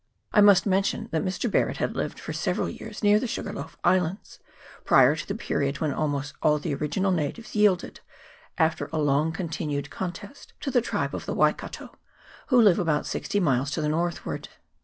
I must mention that Mr. Barret had lived for several years near the Sugar loaf Islands, prior to the period when almost all the original natives yielded, after a long continued con test, to the tribe of the Waikato, who live about sixty miles to the northward.